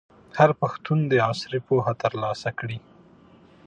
هر پښتون دي عصري پوهه ترلاسه کړي.